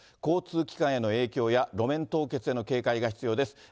交通機関への影響や、路面凍結への警戒が必要です。